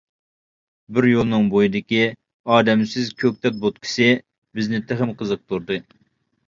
بىر يولنىڭ بويىدىكى ئادەمسىز كۆكتات بوتكىسى بىزنى تېخىمۇ قىزىقتۇردى.